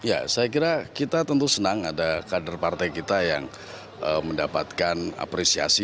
ya saya kira kita tentu senang ada kader partai kita yang mendapatkan apresiasi